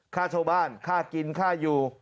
ข้าช่วงบ้านข้ากินข้าอยู่